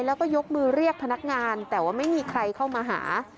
แล้วก็ยกมือเรียกพนักงานแต่ว่าไม่มีใครเข้ามาหา